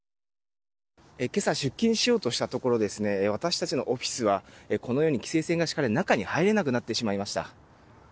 今朝、出勤しようとしたところ私たちのオフィスはこのように規制線が敷かれ中に入れなくなってしまいました。